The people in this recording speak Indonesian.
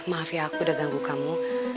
maaf ya aku udah ganggu kamu